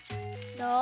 どう？